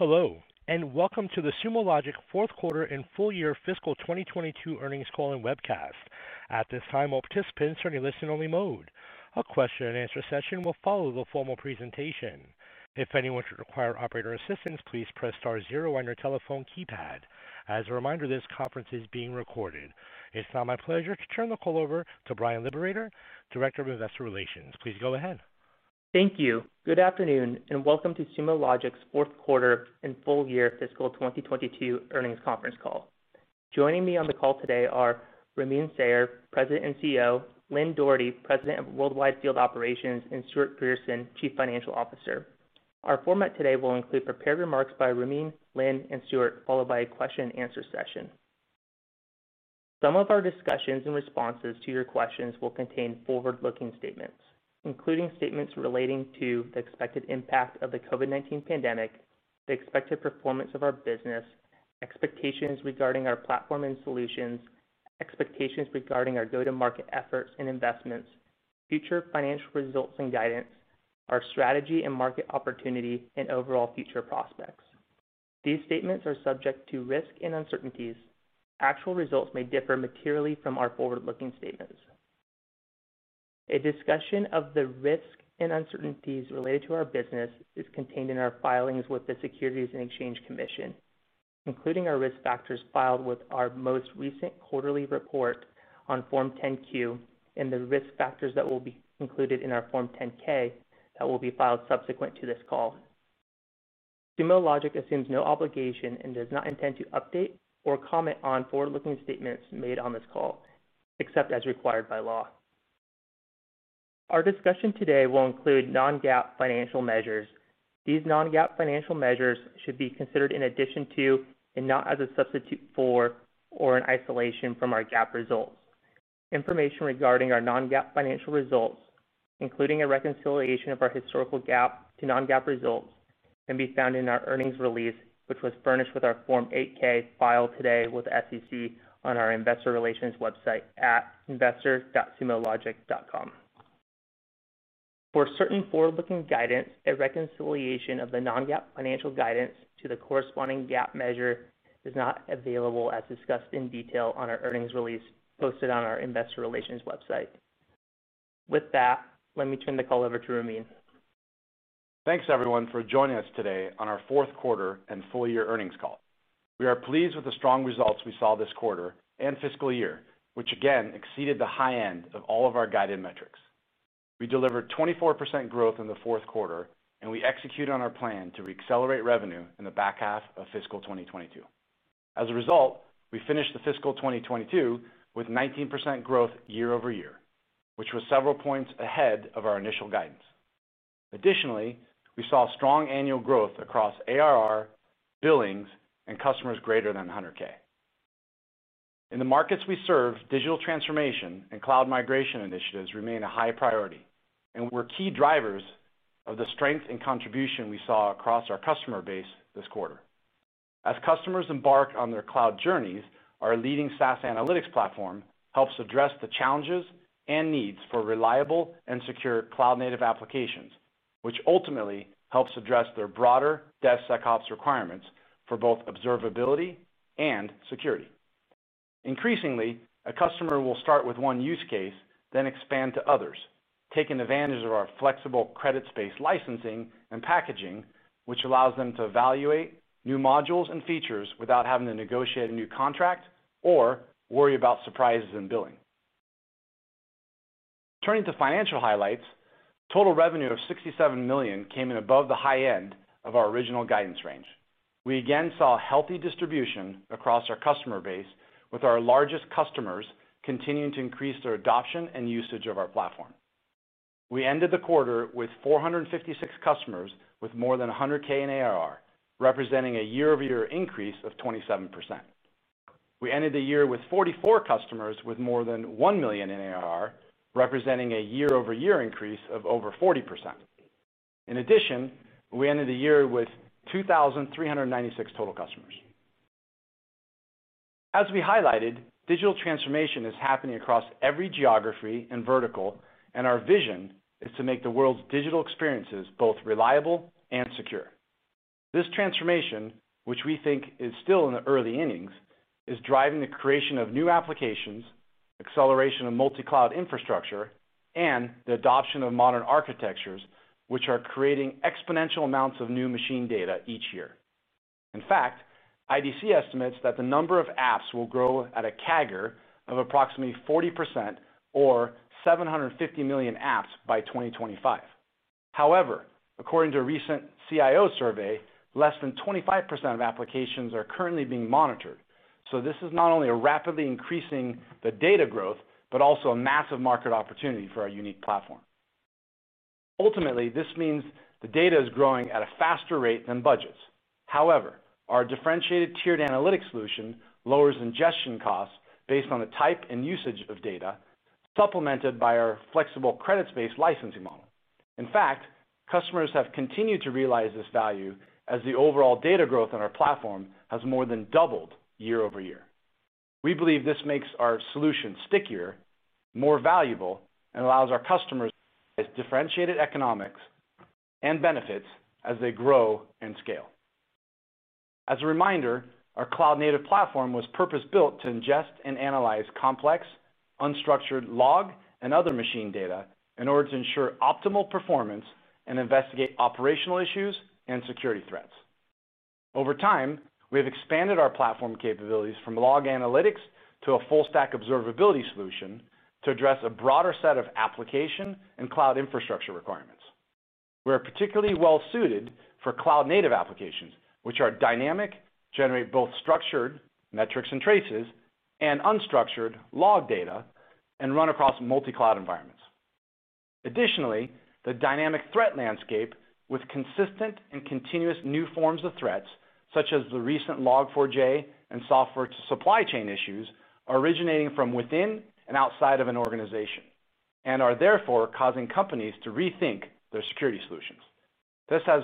Hello, and welcome to the Sumo Logic fourth quarter and full-year fiscal 2022 earnings call and webcast. At this time, all participants are in a listen-only mode. A question-and-answer session will follow the formal presentation. If anyone should require operator assistance, please press star zero on your telephone keypad. As a reminder, this conference is being recorded. It's now my pleasure to turn the call over to Bryan Liberator, Director of Investor Relations. Please go ahead. Thank you. Good afternoon, and welcome to Sumo Logic's fourth quarter and full-year fiscal 2022 earnings conference call. Joining me on the call today are Ramin Sayar, President and CEO, Lynne Doherty, President of Worldwide Field Operations, and Stewart Grierson, Chief Financial Officer. Our format today will include prepared remarks by Ramin, Lynne, and Stewart, followed by a question-and-answer session. Some of our discussions and responses to your questions will contain forward-looking statements, including statements relating to the expected impact of the COVID-19 pandemic, the expected performance of our business, expectations regarding our platform and solutions, expectations regarding our go-to-market efforts and investments, future financial results and guidance, our strategy and market opportunity, and overall future prospects. These statements are subject to risk and uncertainties. Actual results may differ materially from our forward-looking statements. A discussion of the risk and uncertainties related to our business is contained in our filings with the Securities and Exchange Commission, including our risk factors filed with our most recent quarterly report on Form 10-Q and the risk factors that will be included in our Form 10-K that will be filed subsequent to this call. Sumo Logic assumes no obligation and does not intend to update or comment on forward-looking statements made on this call, except as required by law. Our discussion today will include non-GAAP financial measures. These non-GAAP financial measures should be considered in addition to and not as a substitute for or in isolation from our GAAP results. Information regarding our non-GAAP financial results, including a reconciliation of our historical GAAP to non-GAAP results, can be found in our earnings release, which was furnished with our Form 8-K filed today with the SEC on our investor relations website at investor.sumologic.com. For certain forward-looking guidance, a reconciliation of the non-GAAP financial guidance to the corresponding GAAP measure is not available, as discussed in detail on our earnings release posted on our investor relations website. With that, let me turn the call over to Ramin. Thanks, everyone, for joining us today on our fourth quarter and full-year earnings call. We are pleased with the strong results we saw this quarter and fiscal year, which again exceeded the high end of all of our guided metrics. We delivered 24% growth in the fourth quarter, and we executed on our plan to reaccelerate revenue in the back half of fiscal 2022. As a result, we finished the fiscal 2022 with 19% growth year-over-year, which was several points ahead of our initial guidance. Additionally, we saw strong annual growth across ARR, billings, and customers greater than $100,000. In the markets we serve, digital transformation and cloud migration initiatives remain a high priority, and were key drivers of the strength and contribution we saw across our customer base this quarter. As customers embark on their cloud journeys, our leading SaaS analytics platform helps address the challenges and needs for reliable and secure cloud-native applications, which ultimately help address their broader DevSecOps requirements for both observability and security. Increasingly, a customer will start with one use case, then expand to others, taking advantage of our flexible credits-based licensing and packaging, which allows them to evaluate new modules and features without having to negotiate a new contract or worry about surprises in billing. Turning to financial highlights, total revenue of $67 million came in above the high end of our original guidance range. We again saw healthy distribution across our customer base, with our largest customers continuing to increase their adoption and usage of our platform. We ended the quarter with 456 customers with more than $100,000 in ARR, representing a year-over-year increase of 27%. We ended the year with 44 customers with more than $1 million in ARR, representing a year-over-year increase of over 40%. In addition, we ended the year with 2,396 total customers. As we highlighted, digital transformation is happening across every geography and vertical, and our vision is to make the world's digital experiences both reliable and secure. This transformation, which we think is still in the early innings, is driving the creation of new applications, acceleration of multi-cloud infrastructure, and the adoption of modern architectures, which are creating exponential amounts of new machine data each year. In fact, IDC estimates that the number of apps will grow at a CAGR of approximately 40% to 750 million apps by 2025. However, according to a recent CIO survey, less than 25% of applications are currently being monitored. This is not only a rapidly increasing data growth, but also a massive market opportunity for our unique platform. Ultimately, this means the data is growing at a faster rate than budgets. However, our differentiated tiered analytics solution lowers ingestion costs based on the type and usage of data, supplemented by our flexible credits-based licensing model. In fact, customers have continued to realize this value as the overall data growth on our platform has more than doubled year-over-year. We believe this makes our solution stickier, more valuable, and allows our customers differentiated economics and benefits as they grow and scale. As a reminder, our cloud-native platform was purpose-built to ingest and analyze complex, unstructured log and other machine data in order to ensure optimal performance and investigate operational issues and security threats. Over time, we have expanded our platform capabilities from log analytics to a full-stack observability solution to address a broader set of application and cloud infrastructure requirements. We are particularly well-suited for cloud-native applications, which are dynamic, generate both structured metrics and traces and unstructured log data, and run across multi-cloud environments. Additionally, the dynamic threat landscape with consistent and continuous new forms of threats, such as the recent Log4j and software supply chain issues, are originating from within and outside of an organization, and are therefore causing companies to rethink their security solutions. This has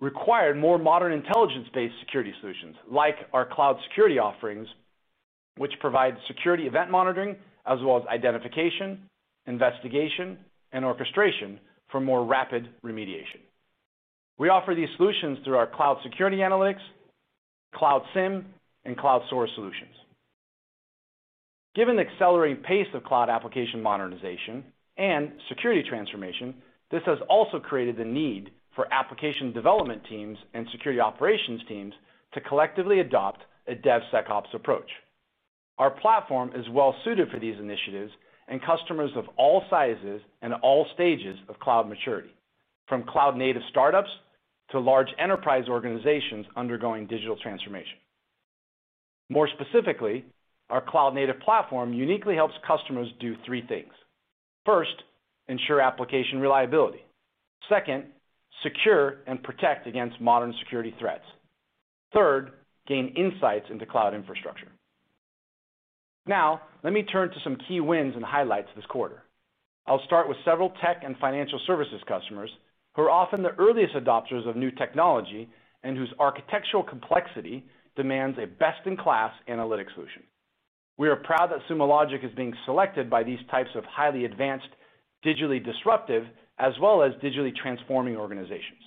required more modern intelligence-based security solutions like our cloud security offerings, which provide security event monitoring as well as identification, investigation, and orchestration for more rapid remediation. We offer these solutions through our Cloud Security Analytics, Cloud SIEM, and Cloud SOAR solutions. Given the accelerating pace of cloud application modernization and security transformation, this has also created the need for application development teams and security operations teams to collectively adopt a DevSecOps approach. Our platform is well-suited for these initiatives and customers of all sizes and all stages of cloud maturity, from cloud-native startups to large enterprise organizations undergoing digital transformation. More specifically, our cloud-native platform uniquely helps customers do three things. First, ensure application reliability. Second, secure and protect against modern security threats. Third, gain insights into cloud infrastructure. Now, let me turn to some key wins and highlights this quarter. I'll start with several tech and financial services customers who are often the earliest adopters of new technology and whose architectural complexity demands a best-in-class analytic solution. We are proud that Sumo Logic is being selected by these types of highly advanced, digitally disruptive, as well as digitally transforming organizations.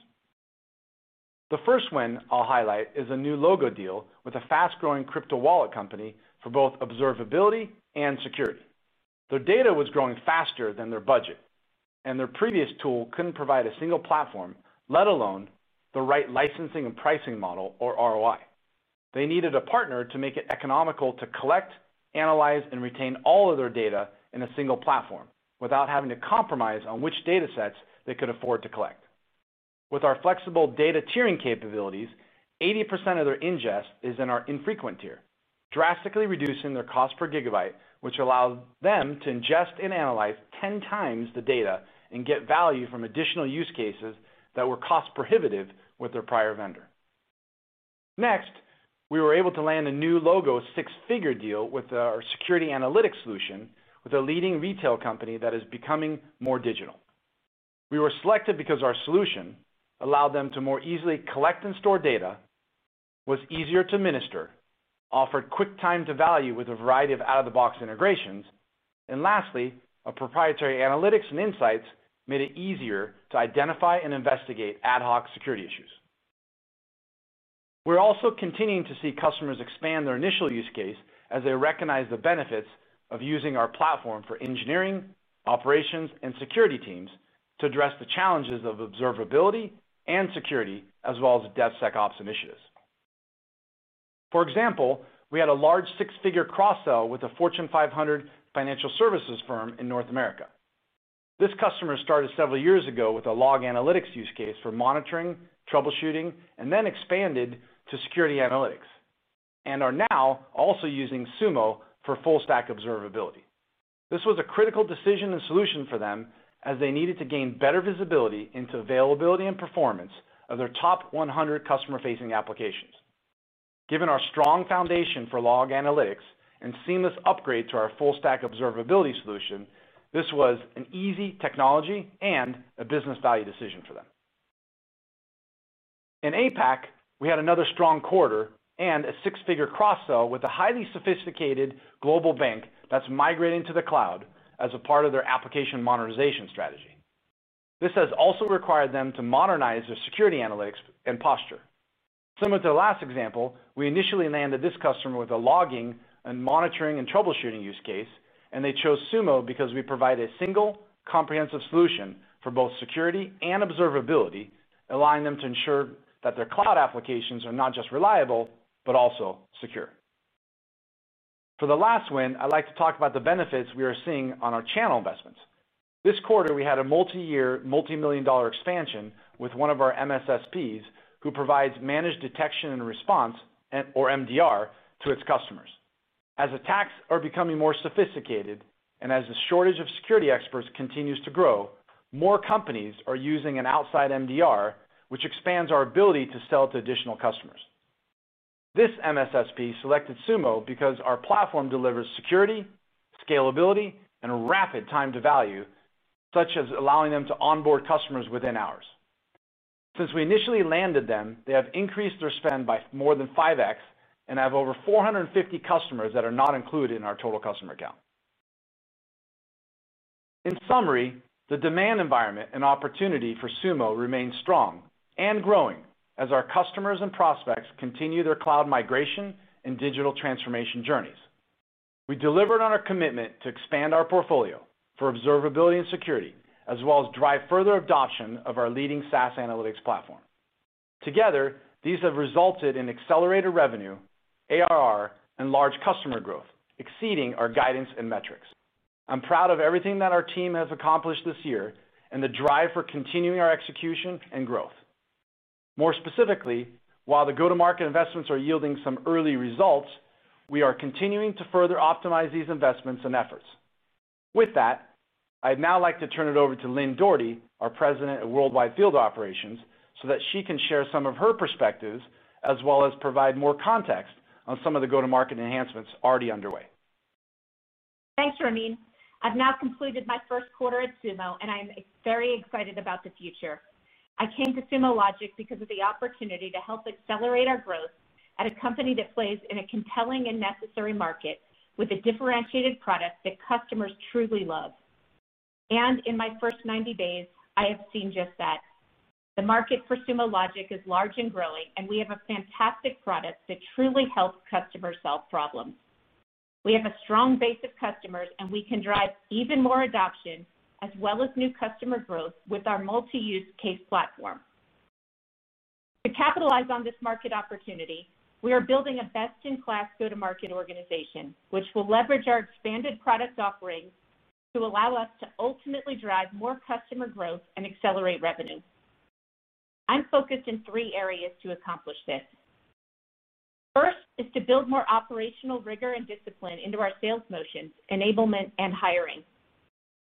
The first win I'll highlight is a new logo deal with a fast-growing crypto wallet company for both observability and security. Their data was growing faster than their budget, and their previous tool couldn't provide a single platform, let alone the right licensing and pricing model or ROI. They needed a partner to make it economical to collect, analyze, and retain all of their data in a single platform without having to compromise on which datasets they could afford to collect. With our flexible data tiering capabilities, 80% of their ingest is in our infrequent tier, drastically reducing their cost per gigabyte, which allowed them to ingest and analyze 10x the data and get value from additional use cases that were cost-prohibitive with their prior vendor. Next, we were able to land a new logo six-figure deal with our security analytics solution with a leading retail company that is becoming more digital. We were selected because our solution allowed them to more easily collect and store data, was easier to administer, offered quick time to value with a variety of out-of-the-box integrations, and lastly, a proprietary analytics and insights made it easier to identify and investigate ad hoc security issues. We're also continuing to see customers expand their initial use case as they recognize the benefits of using our platform for engineering, operations, and security teams to address the challenges of observability and security, as well as DevSecOps initiatives. For example, we had a large six-figure cross-sell with a Fortune 500 financial services firm in North America. This customer started several years ago with a log analytics use case for monitoring, troubleshooting, and then expanded to security analytics, and are now also using Sumo for full-stack observability. This was a critical decision and solution for them as they needed to gain better visibility into the availability and performance of their top 100 customer-facing applications. Given our strong foundation for log analytics and seamless upgrade to our full-stack observability solution, this was an easy technology and a business value decision for them. In APAC, we had another strong quarter and a six-figure cross-sell with a highly sophisticated global bank that's migrating to the cloud as a part of their application modernization strategy. This has also required them to modernize their security analytics and posture. Similar to the last example, we initially landed this customer with a logging, and monitoring, and troubleshooting use case, and they chose Sumo because we provide a single comprehensive solution for both security and observability, allowing them to ensure that their cloud applications are not just reliable, but also secure. For the last win, I'd like to talk about the benefits we are seeing on our channel investments. This quarter, we had a multi-year, multi-million dollar expansion with one of our MSSPs who provides managed detection and response, or MDR, to its customers. As attacks are becoming more sophisticated and as the shortage of security experts continues to grow, more companies are using an outside MDR, which expands our ability to sell to additional customers. This MSSP selected Sumo because our platform delivers security, scalability, and rapid time-to-value, such as allowing them to onboard customers within hours. Since we initially landed them, they have increased their spend by more than 5x and have over 450 customers that are not included in our total customer count. In summary, the demand environment and opportunity for Sumo remain strong and growing as our customers and prospects continue their cloud migration and digital transformation journeys. We delivered on our commitment to expand our portfolio for observability and security, as well as drive further adoption of our leading SaaS analytics platform. Together, these have resulted in accelerated revenue, ARR, and large customer growth, exceeding our guidance and metrics. I'm proud of everything that our team has accomplished this year and the drive for continuing our execution and growth. More specifically, while the go-to-market investments are yielding some early results, we are continuing to further optimize these investments and efforts. With that, I'd now like to turn it over to Lynne Doherty, our President of Worldwide Field Operations, so that she can share some of her perspectives, as well as provide more context on some of the go-to-market enhancements already underway. Thanks, Ramin. I've now concluded my first quarter at Sumo, and I am very excited about the future. I came to Sumo Logic because of the opportunity to help accelerate our growth at a company that plays in a compelling and necessary market with a differentiated product that customers truly love. In my first 90 days, I have seen just that. The market for Sumo Logic is large and growing, and we have a fantastic product that truly helps customers solve problems. We have a strong base of customers, and we can drive even more adoption as well as new customer growth with our multi-use case platform. To capitalize on this market opportunity, we are building a best-in-class go-to-market organization, which will leverage our expanded product offerings to allow us to ultimately drive more customer growth and accelerate revenue. I'm focused in three areas to accomplish this. First is to build more operational rigor and discipline into our sales motions, enablement, and hiring.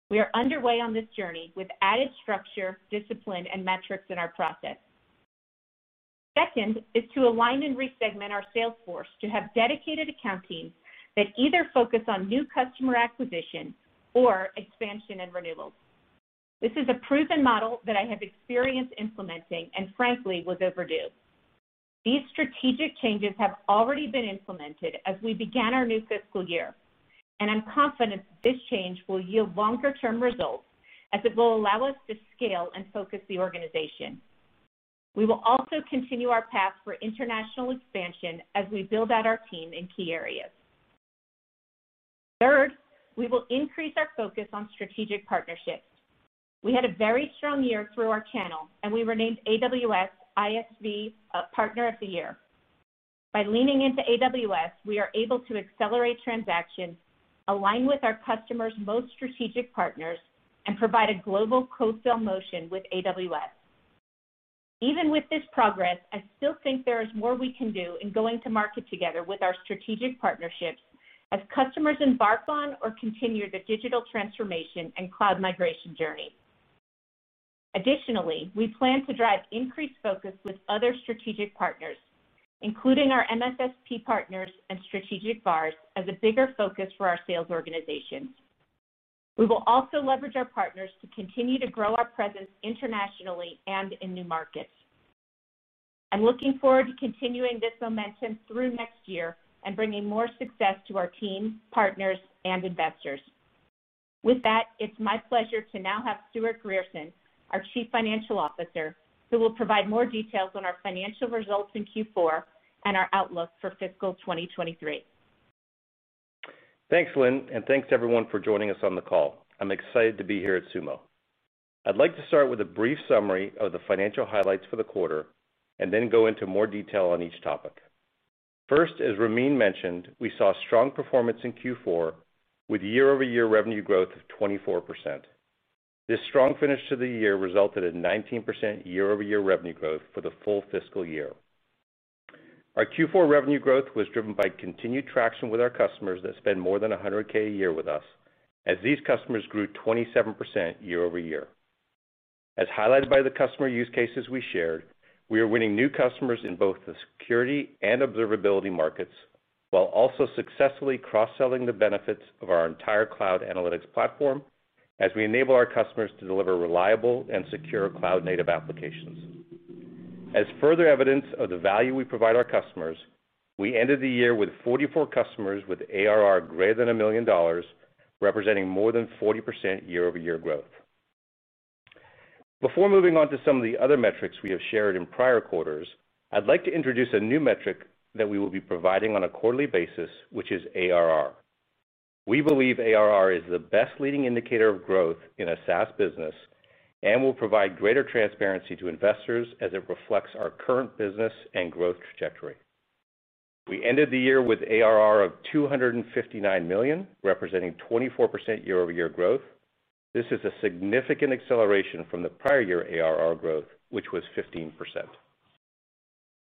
We are underway on this journey with added structure, discipline, and metrics in our process. Second is to align and re-segment our sales force to have dedicated account teams that either focus on new customer acquisition or expansion and renewals. This is a proven model that I have experience implementing, and frankly, was overdue. These strategic changes have already been implemented as we began our new fiscal year, and I'm confident this change will yield longer-term results as it will allow us to scale and focus the organization. We will also continue our path for international expansion as we build out our team in key areas. Third, we will increase our focus on strategic partnerships. We had a very strong year through our channel, and we were named AWS ISV partner of the year. By leaning into AWS, we are able to accelerate transactions, align with our customers' most strategic partners, and provide a global co-sell motion with AWS. Even with this progress, I still think there is more we can do in going to market together with our strategic partnerships as customers embark on or continue their digital transformation and cloud migration journey. Additionally, we plan to drive increased focus with other strategic partners, including our MSSP partners and strategic VARs as a bigger focus for our sales organizations. We will also leverage our partners to continue to grow our presence internationally and in new markets. I'm looking forward to continuing this momentum through next year and bringing more success to our team, partners, and investors. With that, it's my pleasure to now have Stewart Grierson, our Chief Financial Officer, who will provide more details on our financial results in Q4 and our outlook for fiscal 2023. Thanks, Lynn, and thanks everyone for joining us on the call. I'm excited to be here at Sumo. I'd like to start with a brief summary of the financial highlights for the quarter and then go into more detail on each topic. First, as Ramin mentioned, we saw strong performance in Q4 with year-over-year revenue growth of 24%. This strong finish to the year resulted in 19% year-over-year revenue growth for the full fiscal year. Our Q4 revenue growth was driven by continued traction with our customers that spend more than $100,000 a year with us, as these customers grew 27% year-over-year. As highlighted by the customer use cases we shared, we are winning new customers in both the security and observability markets, while also successfully cross-selling the benefits of our entire cloud analytics platform as we enable our customers to deliver reliable and secure cloud-native applications. As further evidence of the value we provide our customers, we ended the year with 44 customers with ARR greater than $1 million, representing more than 40% year-over-year growth. Before moving on to some of the other metrics we have shared in prior quarters, I'd like to introduce a new metric that we will be providing on a quarterly basis, which is ARR. We believe ARR is the best leading indicator of growth in a SaaS business and will provide greater transparency to investors as it reflects our current business and growth trajectory. We ended the year with ARR of $259 million, representing 24% year-over-year growth. This is a significant acceleration from the prior-year ARR growth, which was 15%.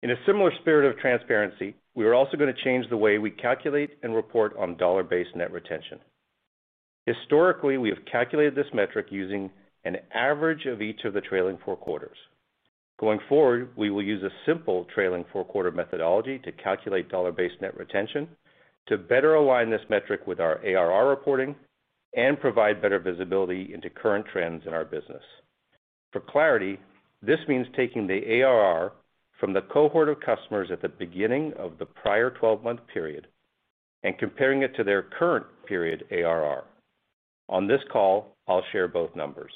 In a similar spirit of transparency, we are also gonna change the way we calculate and report on dollar-based net retention. Historically, we have calculated this metric using an average of each of the trailing four quarters. Going forward, we will use a simple trailing four-quarter methodology to calculate dollar-based net retention to better align this metric with our ARR reporting and provide better visibility into current trends in our business. For clarity, this means taking the ARR from the cohort of customers at the beginning of the prior 12-month period and comparing it to their current period ARR. On this call, I'll share both numbers.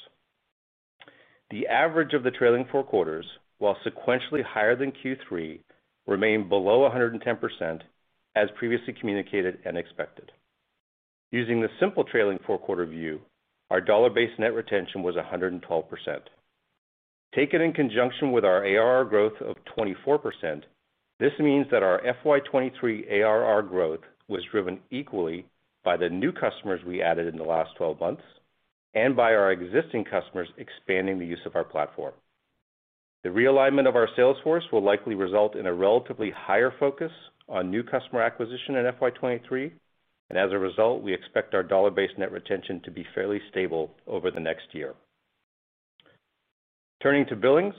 The average of the trailing four quarters, while sequentially higher than Q3, remained below 110%, as previously communicated and expected. Using the simple trailing four-quarter view, our dollar-based net retention was 112%. Taken in conjunction with our ARR growth of 24%, this means that our FY 2023 ARR growth was driven equally by the new customers we added in the last 12 months, and by our existing customers expanding the use of our platform. The realignment of our sales force will likely result in a relatively higher focus on new customer acquisition in FY 2023, and as a result, we expect our dollar-based net retention to be fairly stable over the next year. Turning to billings,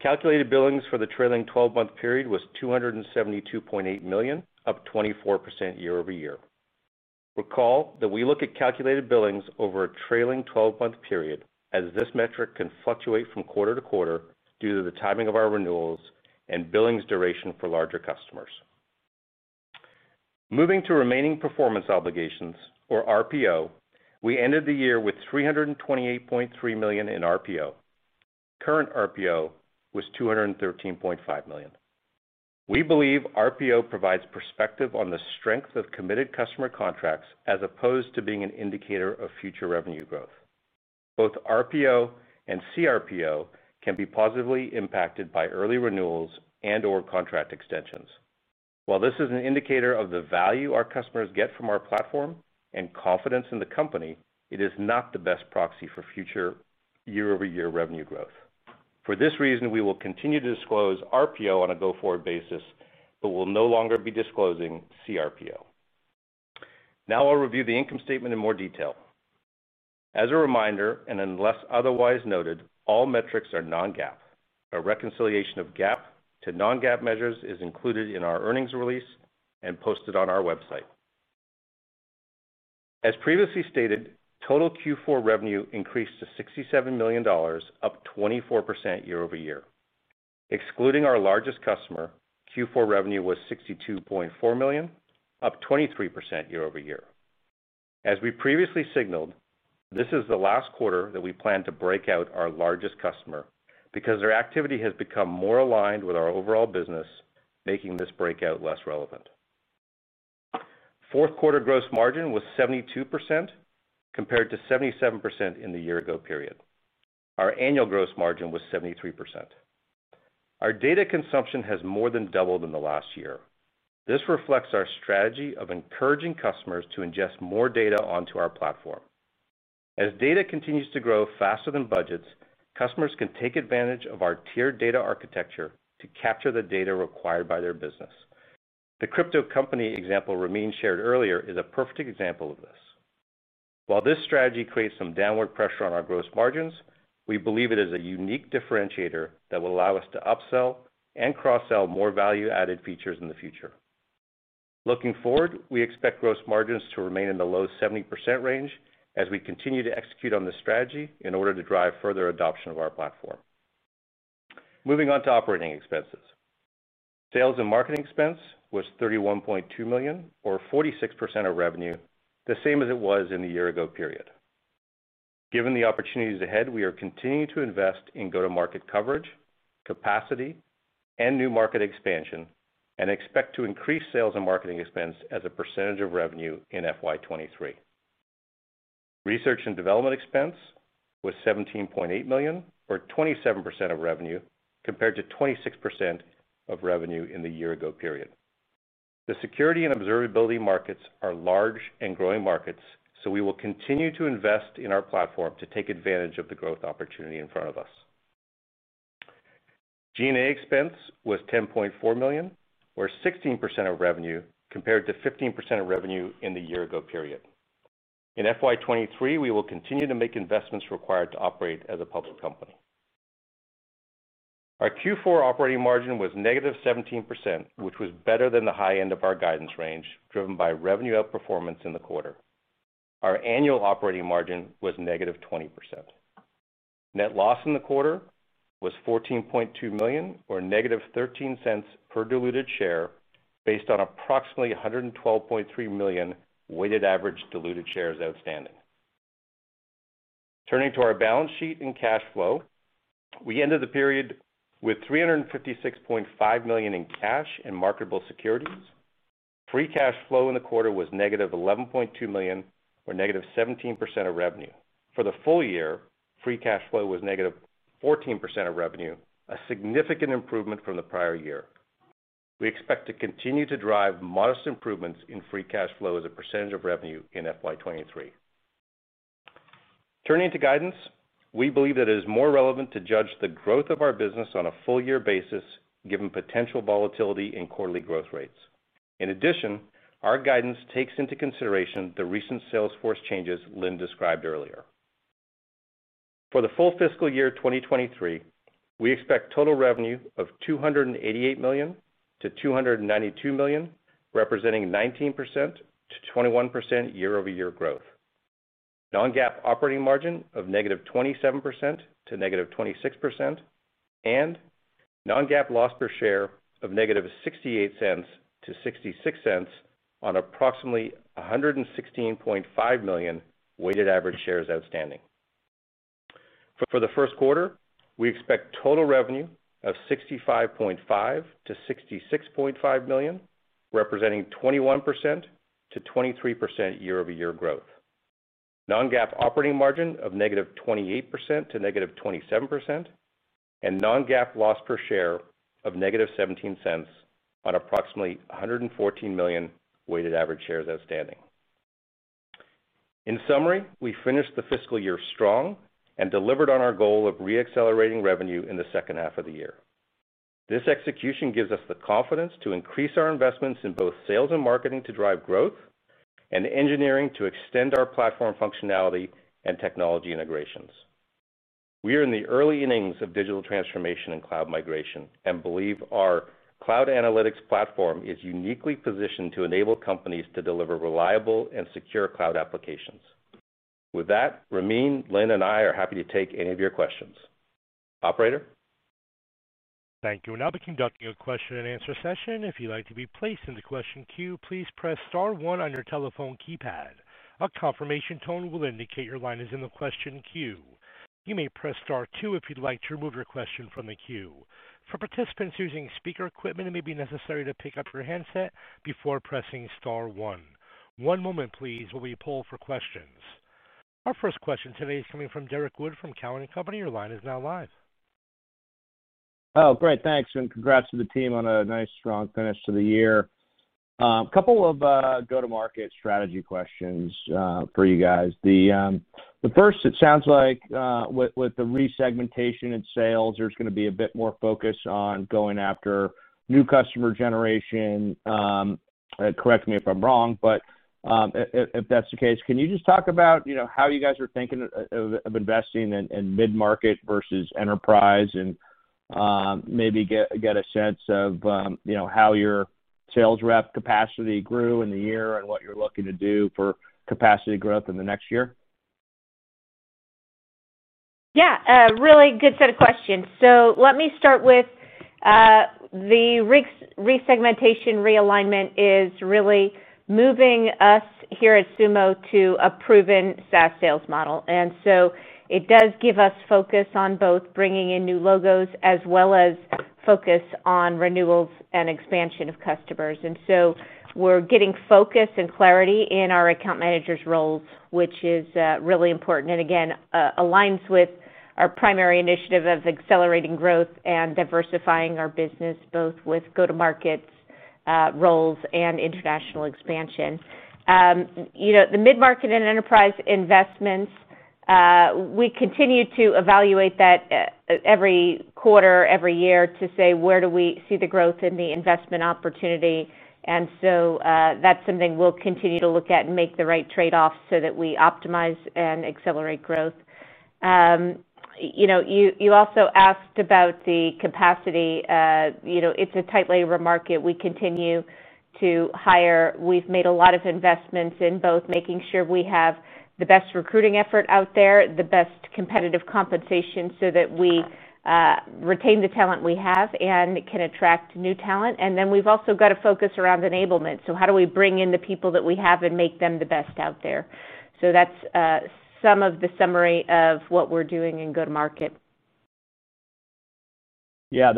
calculated billings for the trailing 12-month period was $272.8 million, up 24% year-over-year. Recall that we look at calculated billings over a trailing 12-month period, as this metric can fluctuate from quarter to quarter due to the timing of our renewals and billings duration for larger customers. Moving to remaining performance obligations, or RPO, we ended the year with $328.3 million in RPO. Current RPO was $213.5 million. We believe RPO provides perspective on the strength of committed customer contracts as opposed to being an indicator of future revenue growth. Both RPO and CRPO can be positively impacted by early renewals and/or contract extensions. While this is an indicator of the value our customers get from our platform and confidence in the company, it is not the best proxy for future year-over-year revenue growth. For this reason, we will continue to disclose RPO on a go-forward basis, but we'll no longer be disclosing CRPO. Now I'll review the income statement in more detail. As a reminder, and unless otherwise noted, all metrics are non-GAAP. A reconciliation of GAAP to non-GAAP measures is included in our earnings release and posted on our website. As previously stated, total Q4 revenue increased to $67 million, up 24% year-over-year. Excluding our largest customer, Q4 revenue was $62.4 million, up 23% year-over-year. As we previously signaled, this is the last quarter that we plan to break out our largest customer because their activity has become more aligned with our overall business, making this breakout less relevant. Fourth quarter gross margin was 72% compared to 77% in the year-ago period. Our annual gross margin was 73%. Our data consumption has more than doubled in the last year. This reflects our strategy of encouraging customers to ingest more data onto our platform. As data continues to grow faster than budgets, customers can take advantage of our tiered data architecture to capture the data required by their business. The crypto company example Ramin shared earlier is a perfect example of this. While this strategy creates some downward pressure on our gross margins, we believe it is a unique differentiator that will allow us to upsell and cross-sell more value-added features in the future. Looking forward, we expect gross margins to remain in the low 70% range as we continue to execute on this strategy in order to drive further adoption of our platform. Moving on to operating expenses. Sales and marketing expense was $31.2 million or 46% of revenue, the same as it was in the year-ago period. Given the opportunities ahead, we are continuing to invest in go-to-market coverage, capacity, and new market expansion, and expect to increase sales and marketing expense as a percentage of revenue in FY 2023. Research and development expense was $17.8 million or 27% of revenue, compared to 26% of revenue in the year-ago period. The security and observability markets are large and growing markets, so we will continue to invest in our platform to take advantage of the growth opportunity in front of us. G&A expense was $10.4 million or 16% of revenue compared to 15% of revenue in the year-ago period. In FY 2023, we will continue to make investments required to operate as a public company. Our Q4 operating margin was -17%, which was better than the high end of our guidance range, driven by revenue outperformance in the quarter. Our annual operating margin was -20%. Net loss in the quarter was $14.2 million or -$0.13 per diluted share based on approximately 112.3 million weighted average diluted shares outstanding. Turning to our balance sheet and cash flow, we ended the period with $356.5 million in cash and marketable securities. Free cash flow in the quarter was $-11.2 million or -17% of revenue. For the full-year, free cash flow was -14% of revenue, a significant improvement from the prior year. We expect to continue to drive modest improvements in free cash flow as a percentage of revenue in FY 2023. Turning to guidance, we believe that it is more relevant to judge the growth of our business on a full-year basis, given potential volatility in quarterly growth rates. In addition, our guidance takes into consideration the recent sales force changes Lynn described earlier. For the full fiscal year 2023, we expect total revenue of $288 million-$292 million, representing 19%-21% year-over-year growth. Non-GAAP operating margin of -27% to -26%, and non-GAAP loss per share of -$0.68 to -$0.66 on approximately 116.5 million weighted average shares outstanding. For the first quarter, we expect total revenue of $65.5 million-$66.5 million, representing 21%-23% year-over-year growth. Non-GAAP operating margin of -28% to -27%, and non-GAAP loss per share of -$0.17 on approximately 114 million weighted average shares outstanding. In summary, we finished the fiscal year strong and delivered on our goal of re-accelerating revenue in the second half of the year. This execution gives us the confidence to increase our investments in both sales and marketing to drive growth, and engineering to extend our platform functionality and technology integrations. We are in the early innings of digital transformation and cloud migration, and believe our cloud analytics platform is uniquely positioned to enable companies to deliver reliable and secure cloud applications. With that, Ramin, Lynn, and I are happy to take any of your questions. Operator. Thank you. We'll now be conducting a question-and-answer session. If you'd like to be placed in the question queue, please press star one on your telephone keypad. A confirmation tone will indicate your line is in the question queue. You may press star two if you'd like to remove your question from the queue. For participants using speaker equipment, it may be necessary to pick up your handset before pressing star one. One moment, please, while we poll for questions. Our first question today is coming from Derrick Wood from Cowen and Company. Your line is now live. Oh, great. Thanks, and congrats to the team on a nice, strong finish to the year. A Couple of go-to-market strategy questions for you guys. The first, it sounds like, with the resegmentation and sales, there's gonna be a bit more focus on going after new customer generation, correct me if I'm wrong. If that's the case, can you just talk about, you know, how you guys are thinking of investing in mid-market versus enterprise, and maybe get a sense of, you know, how your sales rep capacity grew in the year and what you're looking to do for capacity growth in the next year? Yeah, a really good set of questions. Let me start with the resegmentation realignment is really moving us here at Sumo to a proven SaaS sales model. It does give us focus on both bringing in new logos as well as focus on renewals and expansion of customers. We're getting focus and clarity in our account managers' roles, which is really important, and again aligns with our primary initiative of accelerating growth and diversifying our business, both with go-to-market roles and international expansion. You know, the mid-market and enterprise investments we continue to evaluate that every quarter, every year, to say, where do we see the growth in the investment opportunity? That's something we'll continue to look at and make the right trade-offs so that we optimize and accelerate growth. You know, you also asked about the capacity. You know, it's a tight labor market. We continue to hire. We've made a lot of investments in both making sure we have the best recruiting effort out there, the best competitive compensation, so that we retain the talent we have and can attract new talent. Then we've also got a focus around enablement. How do we bring in the people that we have and make them the best out there? That's some of the summary of what we're doing in go-to-market. Yeah.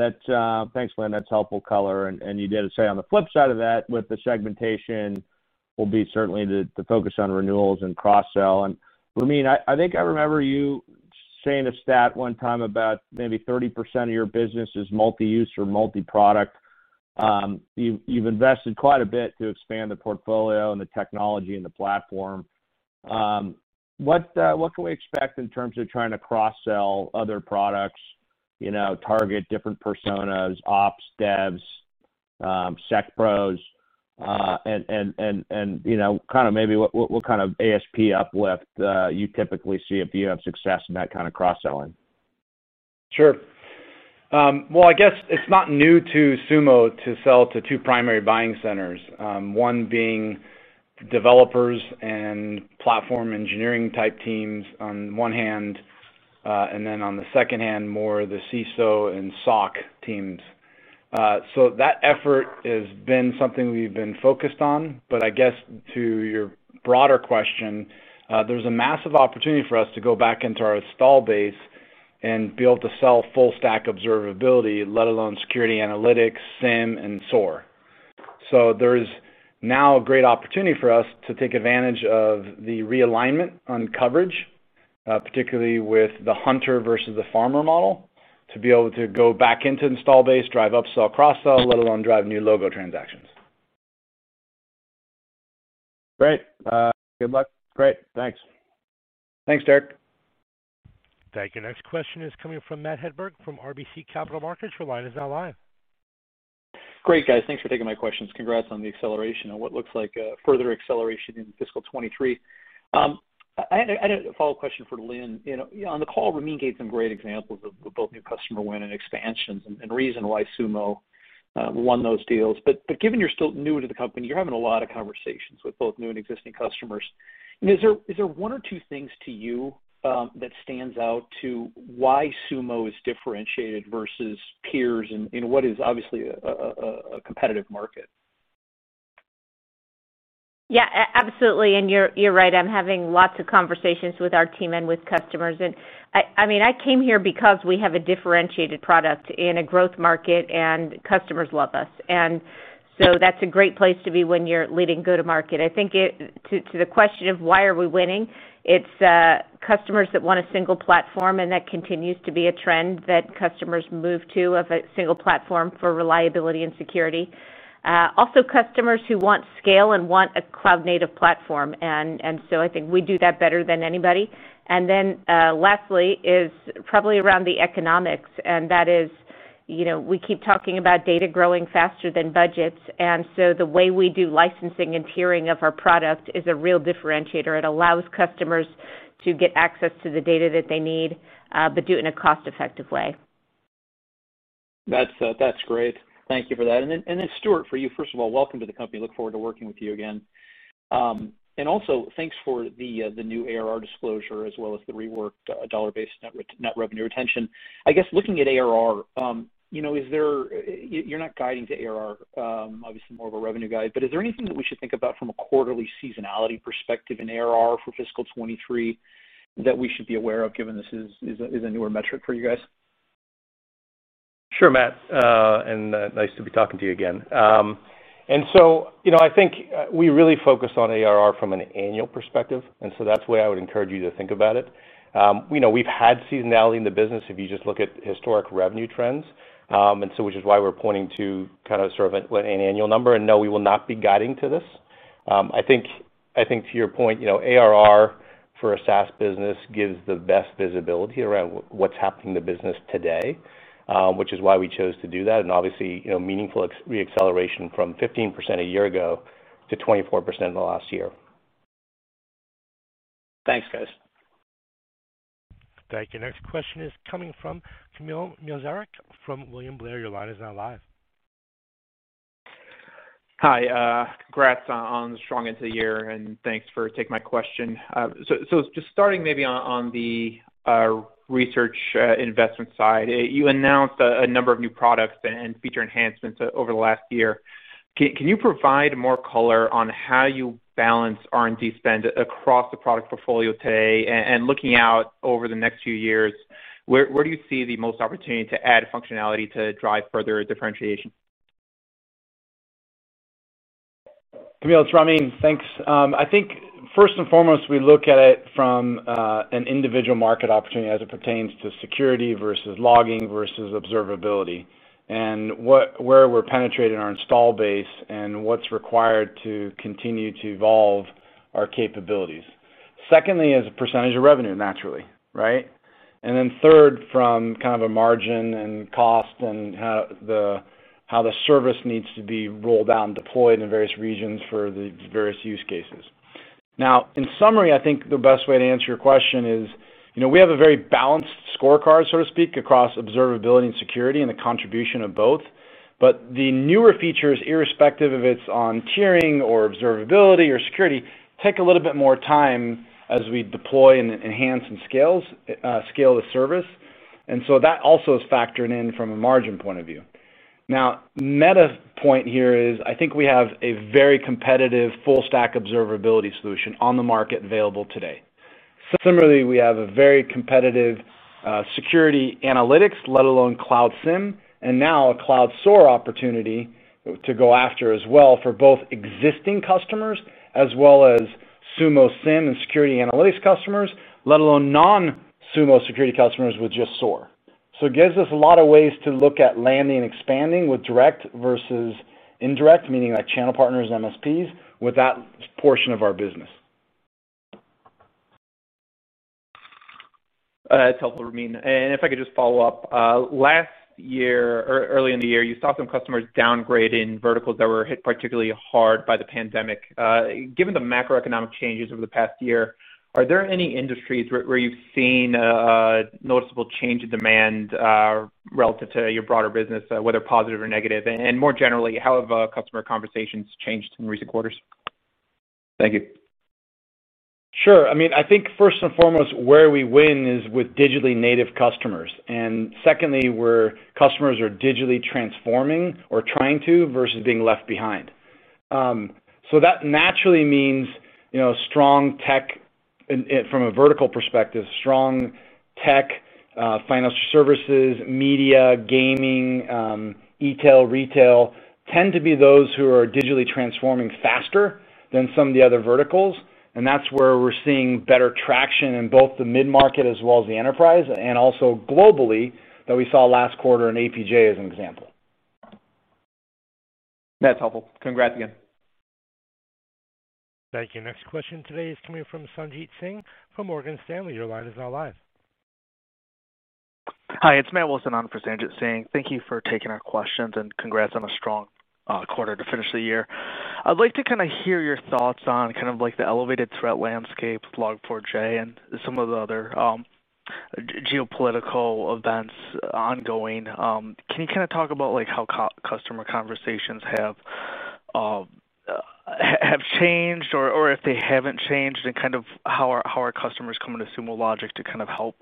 Thanks, Lynn. That's helpful color. You did say on the flip side of that, with the segmentation will be certainly the focus on renewals and cross-sell. Ramin, I think I remember you saying a stat one time about maybe 30% of your business is multi-use or multi-product. You've invested quite a bit to expand the portfolio, and the technology, and the platform. What can we expect in terms of trying to cross-sell other products, you know, target different personas, Ops, Devs, SecPros, and you know, kinda maybe what kind of ASP uplift you typically see if you have success in that kind of cross-selling? Sure. Well, I guess it's not new to Sumo to sell to two primary buying centers, one being developers and platform engineering type teams on one hand, and then on the second hand, more the CISO and SOC teams. That effort has been something we've been focused on. I guess to your broader question, there's a massive opportunity for us to go back into our install base and be able to sell full stack observability, let alone security analytics, SIEM and SOAR. There's now a great opportunity for us to take advantage of the realignment on coverage, particularly with the hunter versus the farmer model, to be able to go back into install base, drive upsell, cross-sell, let alone drive new logo transactions. Great. Good luck. Great. Thanks. Thanks, Derrick. Thank you. Next question is coming from Matt Hedberg from RBC Capital Markets. Your line is now live. Great guys. Thanks for taking my questions. Congrats on the acceleration and what looks like further acceleration in fiscal 2023. I had a follow-up question for Lynne. You know, on the call, Ramin gave some great examples of both new customer wins and expansions, and reason why Sumo won those deals. Given you're still new to the company, you're having a lot of conversations with both new and existing customers. I mean, is there one or two things to you that stand out to why Sumo is differentiated versus peers in what is obviously a competitive market? Absolutely, you're right. I'm having lots of conversations with our team and with customers. I mean, I came here because we have a differentiated product in a growth market, and customers love us. That's a great place to be when you're leading go-to-market. I think to the question of why are we winning, it's customers that want a single platform, and that continues to be a trend that customers move to of a single platform for reliability and security. Also, customers who want scale and want a cloud-native platform. I think we do that better than anybody. Then, lastly is probably around the economics, and that is, you know, we keep talking about data growing faster than budgets. The way we do licensing and tiering of our product is a real differentiator. It allows customers to get access to the data that they need, but do it in a cost-effective way. That's great. Thank you for that. Then, Stewart, for you, first of all, welcome to the company. Look forward to working with you again. And also thanks for the new ARR disclosure as well as the reworked dollar-based net revenue retention. I guess, looking at ARR, you know, is there. You're not guiding to ARR, obviously more of a revenue guide. Is there anything that we should think about from a quarterly seasonality perspective in ARR for fiscal 2023 that we should be aware, of given this is a newer metric for you guys? Sure, Matt, nice to be talking to you again. You know, I think we really focus on ARR from an annual perspective, and so that's the way I would encourage you to think about it. You know, we've had seasonality in the business if you just look at historic revenue trends, which is why we're pointing to kind of sort of an annual number. No, we will not be guiding to this. I think to your point, you know, ARR for a SaaS business gives the best visibility around what's happening in the business today, which is why we chose to do that. Obviously, you know, meaningful re-acceleration from 15% a year ago to 24% in the last year. Thanks, guys. Thank you. Next question is coming from Kamil Mielczarek from William Blair. Your line is now live. Hi, congrats on the strong end to the year, and thanks for taking my question. So, just starting maybe on the research investment side. You announced a number of new products and feature enhancements over the last year. Can you provide more color on how you balance R&D spend across the product portfolio today? Looking out over the next few years, where do you see the most opportunity to add functionality to drive further differentiation? Kamil, it's Ramin. Thanks. I think first and foremost, we look at it from an individual market opportunity as it pertains to security versus logging versus observability, and where we're penetrating our installed base and what's required to continue to evolve our capabilities. Secondly is percentage of revenue naturally, right? Then third is from kind of a margin and cost, and how the service needs to be rolled out and deployed in various regions for the various use cases. Now, in summary, I think the best way to answer your question is, you know, we have a very balanced scorecard, so to speak, across observability and security and the contribution of both. But the newer features, irrespective if it's on tiering, or observability, or security, take a little bit more time as we deploy, enhance, and scale the service. That also is factored in from a margin point of view. Now, meta point here is I think we have a very competitive full-stack observability solution on the market available today. Similarly, we have a very competitive, security analytics, let alone Cloud SIEM, and now a Cloud SOAR opportunity to go after as well for both existing customers as well as Sumo SIEM and security analytics customers, let alone non-Sumo security customers with just SOAR. It gives us a lot of ways to look at landing and expanding with direct versus indirect, meaning like channel partners, MSPs, with that portion of our business. That's helpful, Ramin. If I could just follow up. Last year or early in the year, you saw some customers downgrade in verticals that were hit particularly hard by the pandemic. Given the macroeconomic changes over the past year, are there any industries where you've seen a noticeable change in demand relative to your broader business, whether positive or negative? More generally, how have customer conversations changed in recent quarters? Thank you. Sure. I mean, I think first and foremost, where we win is with digitally native customers, and secondly, where customers are digitally transforming or trying to, versus being left behind. That naturally means, you know, strong tech. From a vertical perspective, strong tech, financial services, media, gaming, e-tail, retail tend to be those who are digitally transforming faster than some of the other verticals, and that's where we're seeing better traction in both the mid-market as well as the enterprise, and also globally that we saw last quarter in APJ, as an example. That's helpful. Congrats again. Thank you. Next question today is coming from Sanjit Singh from Morgan Stanley. Your line is now live. Hi, it's Matt Wilson on for Sanjit Singh. Thank you for taking our questions, and congrats on a strong quarter to finish the year. I'd like to kinda hear your thoughts on kind of like the elevated threat landscape, Log4j, and some of the other geopolitical events ongoing. Can you kinda talk about like how customer conversations have changed or if they haven't changed, and kind of how are customers coming to Sumo Logic to kind of help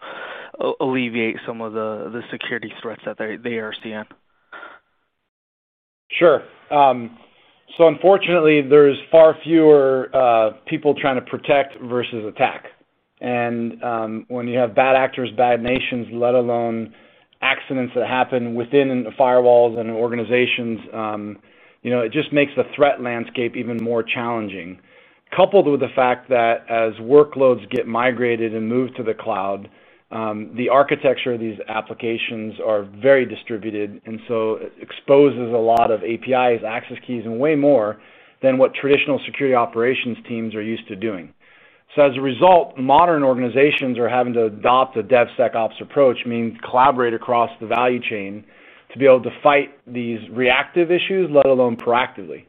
alleviate some of the security threats that they are seeing? Sure. So unfortunately, there's far fewer people trying to protect versus attack. When you have bad actors, bad nations, let alone accidents that happen within the firewalls and organizations, you know, it just makes the threat landscape even more challenging. Coupled with the fact that as workloads get migrated and moved to the cloud, the architecture of these applications are very distributed, and so it exposes a lot of APIs, access keys, and way more than what traditional security operations teams are used to doing. As a result, modern organizations are having to adopt a DevSecOps approach, meaning collaborating across the value chain to be able to fight these reactive issues, let alone proactively.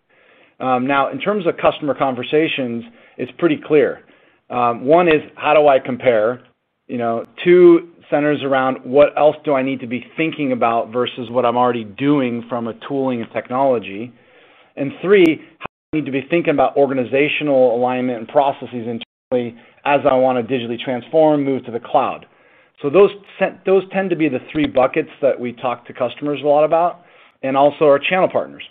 Now, in terms of customer conversations, it's pretty clear. One is, how do I compare? You know. Two centers around what else do I need to be thinking about, versus what I'm already doing from a tooling and technology. Three, how do I need to be thinking about organizational alignment and processes internally as I wanna digitally transform, move to the cloud? Those tend to be the three buckets that we talk to customers a lot about, and also our channel partners.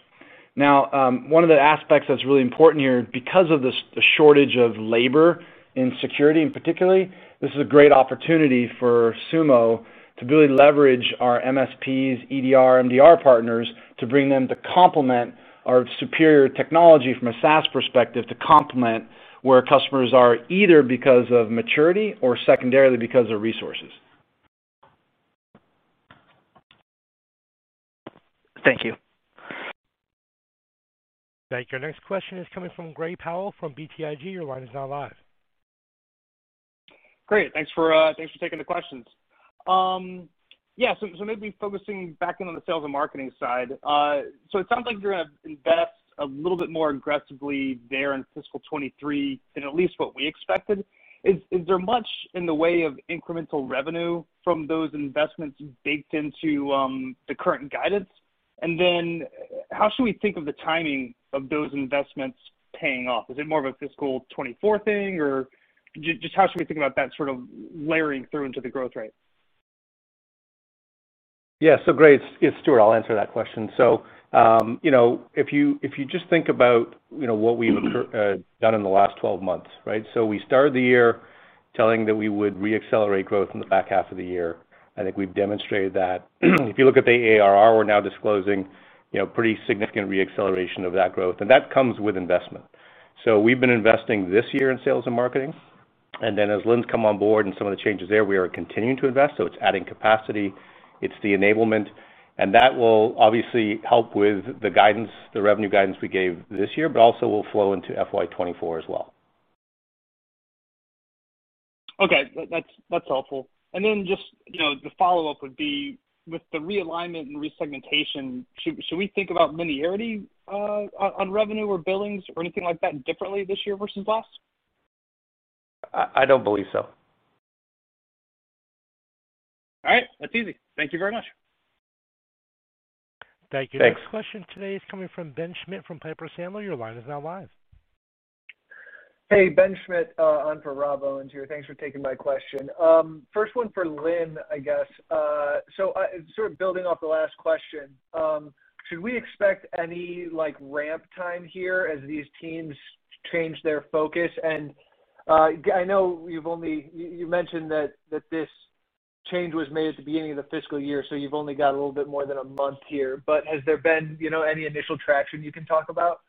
Now, one of the aspects that's really important here, because of the shortage of labor in security, and particularly, this is a great opportunity for Sumo to really leverage our MSPs, EDR, MDR partners to bring them to complement our superior technology from a SaaS perspective to complement where customers are either because of maturity or secondarily because of resources. Thank you. Thank you. Our next question is coming from Gray Powell from BTIG. Your line is now live. Great. Thanks for taking the questions. Yeah, maybe focusing back in on the sales and marketing side. It sounds like you're gonna invest a little bit more aggressively there in fiscal 2023 than at least what we expected. Is there much in the way of incremental revenue from those investments baked into the current guidance? And then how should we think of the timing of those investments paying off? Is it more of a fiscal 2024 thing, or just how should we think about that sort of layering through into the growth rate? Yeah. Gray, it's Stewart. I'll answer that question. You know, if you just think about, you know, what we've done in the last 12 months, right? We started the year telling that we would re-accelerate growth in the back half of the year. I think we've demonstrated that. If you look at the ARR, we're now disclosing, you know, pretty significant re-acceleration of that growth, and that comes with investment. We've been investing this year in sales and marketing, and then as Lynne's come on board and some of the changes there, we are continuing to invest, so it's adding capacity, it's the enablement, and that will obviously help with the guidance, the revenue guidance we gave this year, but also will flow into FY 2024 as well. Okay. That's helpful. Just, you know, the follow-up would be with the realignment and resegmentation, should we think about linearity on revenue or billings or anything like that differently this year versus last? I don't believe so. All right. That's easy. Thank you very much. Thanks. Next question today is coming from Ben Schmitt from Piper Sandler. Your line is now live. Hey, Ben Schmitt, on for Rob Owens here. Thanks for taking my question. First one for Lynn, I guess. Sort of building off the last question, should we expect any, like, ramp time here as these teams change their focus? I know you mentioned that this change was made at the beginning of the fiscal year, so you've only got a little bit more than a month here. Has there been, you know, any initial traction you can talk about?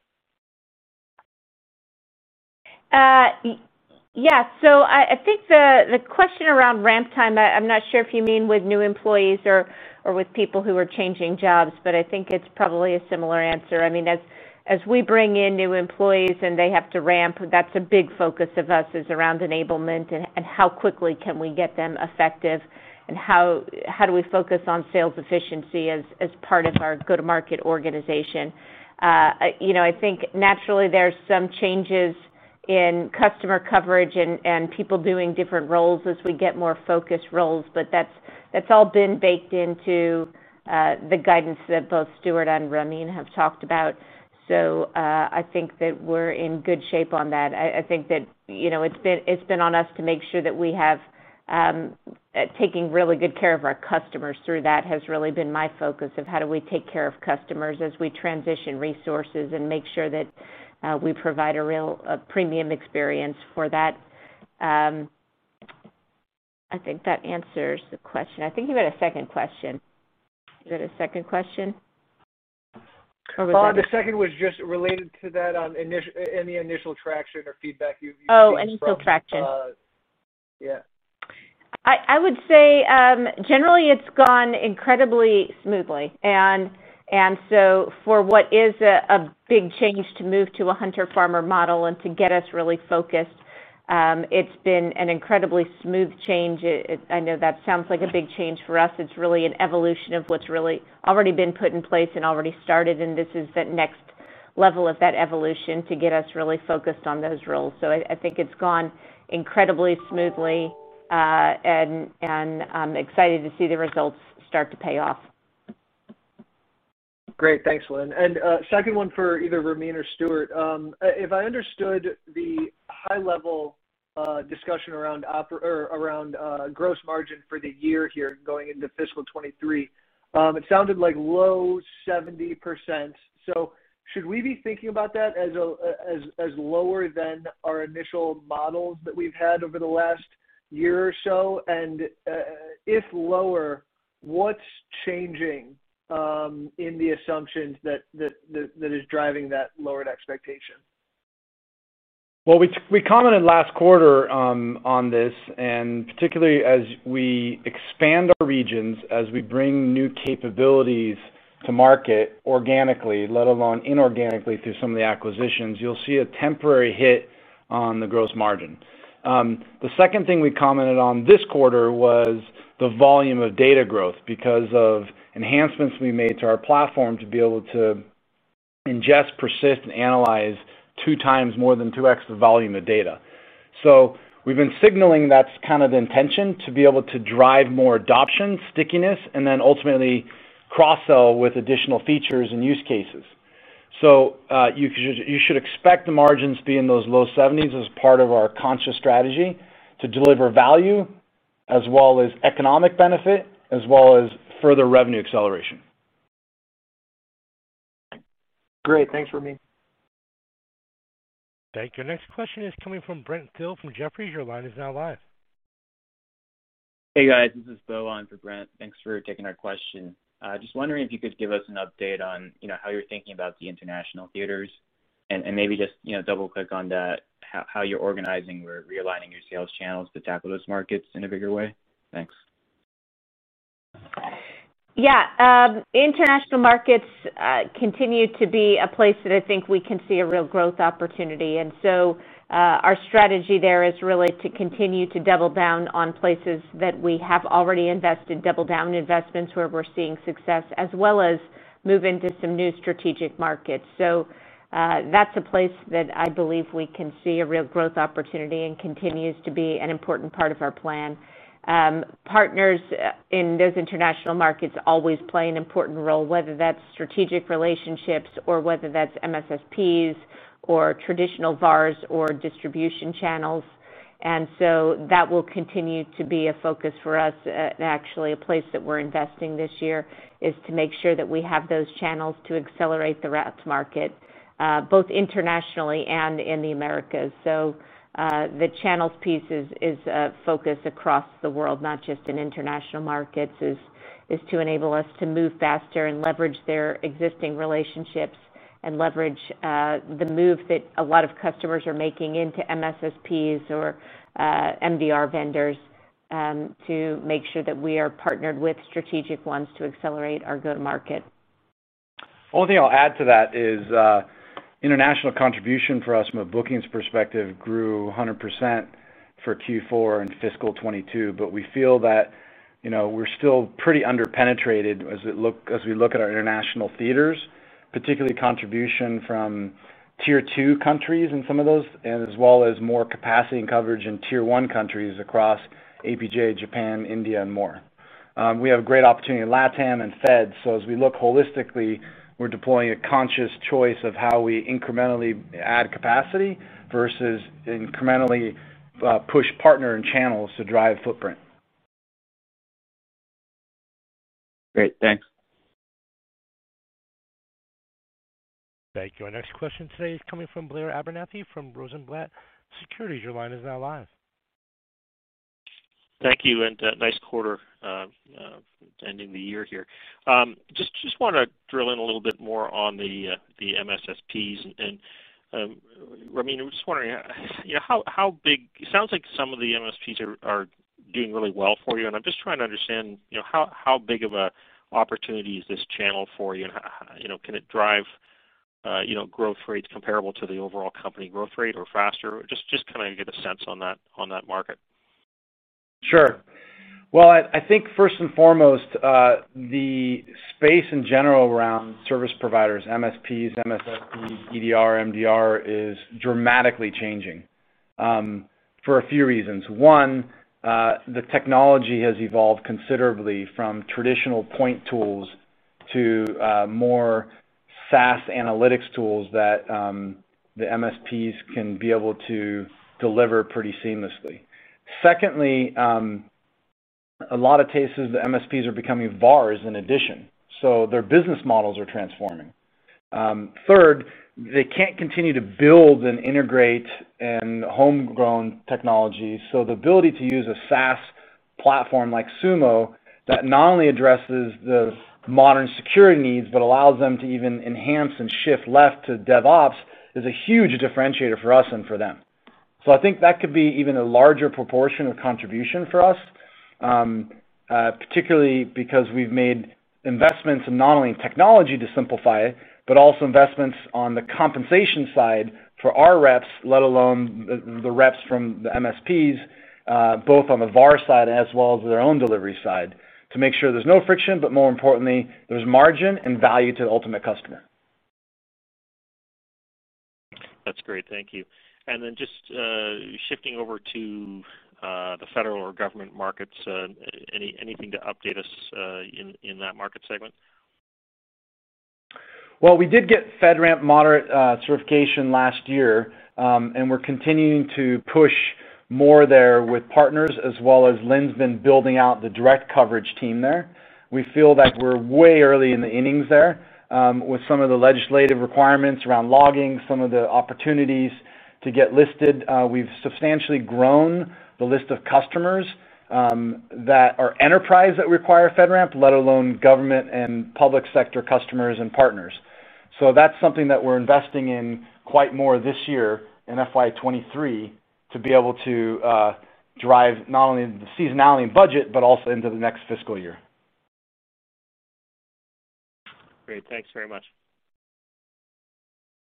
Yes. So I think the question around ramp time, I'm not sure if you mean with new employees or with people who are changing jobs, but I think it's probably a similar answer. I mean, as we bring in new employees and they have to ramp, that's a big focus of us, is around enablement and how quickly can we get them effective, and how do we focus on sales efficiency as part of our go-to-market organization. You know, I think naturally there's some changes in customer coverage and people doing different roles as we get more focused roles, but that's all been baked into the guidance that both Stewart and Ramin have talked about. I think that we're in good shape on that. I think that, you know, it's been on us to make sure that we have taking really good care of our customers through that has really been my focus of how do we take care of customers as we transition resources and make sure that we provide a real premium experience for that. I think that answers the question. I think you had a second question. Is there a second question? Or was that- The second was just related to that, any initial traction or feedback you've seen from- Oh, any traction. Yeah. I would say, generally, it's gone incredibly smoothly. For what is a big change to move to a hunter-farmer model and to get us really focused, it's been an incredibly smooth change. I know that sounds like a big change for us. It's really an evolution of what's really already been put in place and already started, and this is the next level of that evolution to get us really focused on those roles. I think it's gone incredibly smoothly, and I'm excited to see the results start to pay off. Great. Thanks, Lynne. Second one for either Ramin or Stewart. If I understood the high-level discussion around gross margin for the year here going into fiscal 2023, it sounded like low 70%. Should we be thinking about that as lower than our initial models that we've had over the last year or so? If lower, what's changing in the assumptions that is driving that lowered expectation? We commented last quarter on this, and particularly as we expand our regions, as we bring new capabilities to market organically, let alone inorganically through some of the acquisitions, you'll see a temporary hit on the gross margin. The second thing we commented on this quarter was the volume of data growth because of enhancements we made to our platform to be able to ingest, persist, and analyze 2x more than 2x the volume of data. We've been signaling that's kind of the intention, to be able to drive more adoption, stickiness, and then ultimately cross-sell with additional features and use cases. You should expect the margins to be in those low 70s as part of our conscious strategy to deliver value, as well as economic benefit as well as further revenue acceleration. Great. Thanks, Ramin. Thank you. Next question is coming from Brent Thill from Jefferies. Your line is now live. Hey, guys, this is Bo on for Brent. Thanks for taking our question. Just wondering if you could give us an update on, you know, how you're thinking about the international theaters and maybe just, you know, double-click on that, how you're organizing or realigning your sales channels to tackle those markets in a bigger way. Thanks. Yeah. International markets continue to be a place that I think we can see a real growth opportunity. Our strategy there is really to continue to double down on places that we have already invested, double down on investments where we're seeing success, as well as move into some new strategic markets. That's a place that I believe we can see a real growth opportunity, and it continues to be an important part of our plan. Partners in those international markets always play an important role, whether that's strategic relationships or whether that's MSSPs or traditional VARs or distribution channels. That will continue to be a focus for us. Actually, a place that we're investing this year is to make sure that we have those channels to accelerate the routes to market, both internationally and in the Americas. The channels piece is focused across the world, not just in international markets, is to enable us to move faster and leverage their existing relationships and leverage the move that a lot of customers are making into MSSPs or MDR vendors to make sure that we are partnered with strategic ones to accelerate our go-to-market. The only thing I'll add to that is international contribution for us from a bookings perspective grew 100% for Q4 in fiscal 2022. We feel that, you know, we're still pretty under-penetrated as we look at our international theaters, particularly contribution from tier two countries in some of those, and as well as more capacity and coverage in tier one countries across APJ, Japan, India, and more. We have a great opportunity in LATAM and EMEA. As we look holistically, we're deploying a conscious choice of how we incrementally add capacity versus incrementally push partners and channels to drive footprint. Great. Thanks. Thank you. Our next question today is coming from Blair Abernethy from Rosenblatt Securities. Your line is now live. Thank you, nice quarter ending the year here. Just wanna drill in a little bit more on the MSSPs. Ramin, I'm just wondering, you know, how big. It sounds like some of the MSPs are doing really well for you, and I'm just trying to understand, you know, how big of an opportunity is this channel for you and you know, can it drive, you know, growth rates comparable to the overall company growth rate or faster? Just kinda get a sense on that market. Sure. Well, I think first and foremost, the space in general around service providers, MSPs, MSSP, EDR, MDR is dramatically changing, for a few reasons. One, the technology has evolved considerably from traditional point tools to more SaaS analytics tools that the MSPs can be able to deliver pretty seamlessly. Secondly, a lot of cases, the MSPs are becoming VARs in addition, so their business models are transforming. Third, they can't continue to build and integrate a homegrown technology. The ability to use a SaaS platform like Sumo that not only addresses the modern security needs but allows them to even enhance and shift left to DevOps is a huge differentiator for us and for them. I think that could be even a larger proportion of contribution for us, particularly because we've made investments in not only technology to simplify it, but also investments on the compensation side for our reps, let alone the reps from the MSPs, both on the VAR side as well as their own delivery side, to make sure there's no friction, but more importantly, there's margin and value to the ultimate customer. That's great. Thank you. Just shifting over to the federal or government markets, anything to update us in that market segment? Well, we did get FedRAMP Moderate certification last year, and we're continuing to push more there with partners, as well as Lynn's been building out the direct coverage team there. We feel that we're way early in the innings there, with some of the legislative requirements around logging, some of the opportunities to get listed. We've substantially grown the list of customers that are enterprises that require FedRAMP, let alone government and public sector customers and partners. That's something that we're investing in quite more this year in FY 2023 to be able to drive not only the seasonality and budget, but also into the next fiscal year. Great. Thanks very much.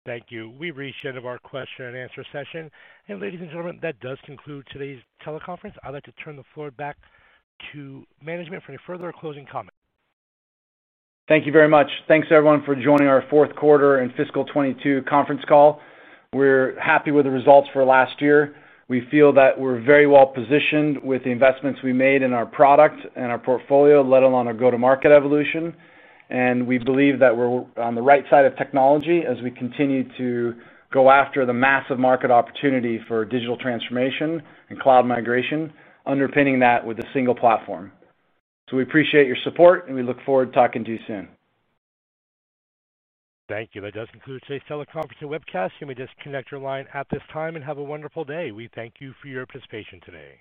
Thank you. We've reached the end of our question-and-answer session. Ladies and gentlemen, that does conclude today's teleconference. I'd like to turn the floor back to management for any further closing comments. Thank you very much. Thanks, everyone, for joining our fourth quarter and fiscal 2022 conference call. We're happy with the results for last year. We feel that we're very well-positioned with the investments we made in our product and our portfolio, let alone our go-to-market evolution. We believe that we're on the right side of technology as we continue to go after the massive market opportunity for digital transformation and cloud migration, underpinning that with a single platform. We appreciate your support, and we look forward to talking to you soon. Thank you. That does conclude today's teleconference and webcast. You may disconnect your line at this time, and have a wonderful day. We thank you for your participation today.